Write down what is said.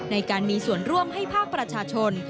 ในการมีส่วนร่วมให้ภาคประชาชน